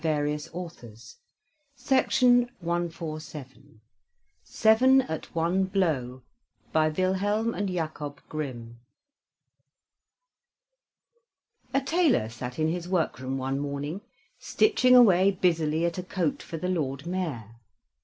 GERMAN STORIES SEVEN AT ONE BLOW BY WILHELM AND JAKOB GRIMM A tailor sat in his workroom one morning, stitching away busily at a coat for the Lord Mayor.